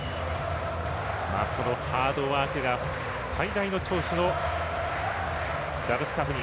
ハードワークが最大の長所のラブスカフニ。